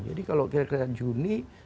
jadi kalau kira kira juni